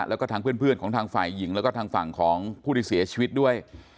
แล้วก็ทางเพื่อนของทางฝ่ายหญิงแล้วก็ทางฝั่งของผู้ที่เสียชีวิตด้วย